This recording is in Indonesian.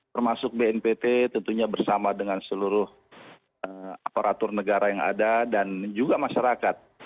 termasuk bnpt tentunya bersama dengan seluruh aparatur negara yang ada dan juga masyarakat